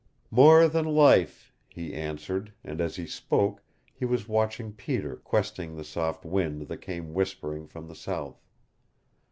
"More than life," he answered, and as he spoke he was watching Peter, questing the soft wind that came whispering from the south.